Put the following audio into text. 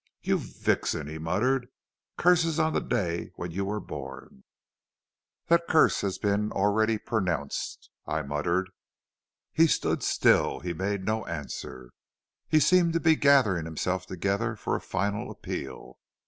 "'You vixen!' he muttered, 'curses on the day when you were born!' "'That curse has been already pronounced,' I muttered. "He stood still, he made no answer, he seemed to be gathering himself together for a final appeal.